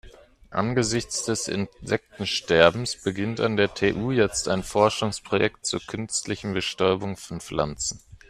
Angesichts des Insektensterbens beginnt an der TU jetzt ein Forschungsprojekt zur künstlichen Bestäubung von Pflanzen.